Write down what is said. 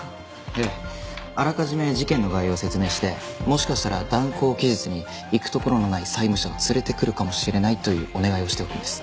ええあらかじめ事件の概要を説明して「もしかしたら断行期日に行くところのない債務者を連れてくるかもしれない」というお願いをしておくんです。